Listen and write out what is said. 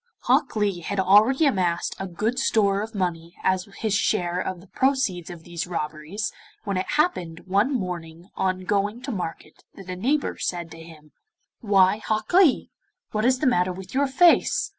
Hok Lee had already amassed a good store of money as his share of the proceeds of these robberies when it happened one morning on going to market that a neighbour said to him: 'Why, Hok Lee, what is the matter with your face?